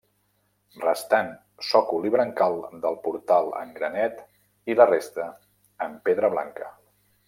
Restant sòcol i brancal del portal en granet i la resta en pedra blanca.